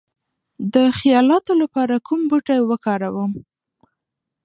د خیالاتو لپاره کوم بوټي وکاروم؟